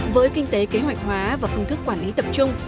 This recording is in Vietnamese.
với kinh tế kế hoạch hóa và phương thức quản lý tập trung